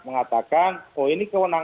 kenapa kamu berdua sekarang